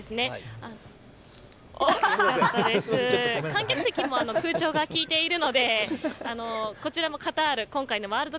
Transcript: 観客席も空調が効いているのでこちらカタール